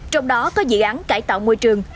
trong đó có dự án cải tạo môi trường